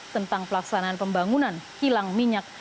tentang pelaksanaan pembangunan kilang minyak